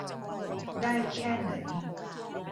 ได้แค่ไหน